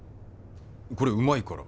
これうまいから。